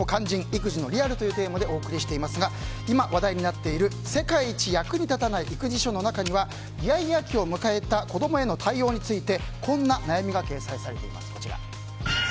育児のリアルというテーマでお送りしていますが今、話題になっている「世界一役に立たない育児書」の中にはイヤイヤ期を迎えた子供への対応についてこんな悩みが掲載されています。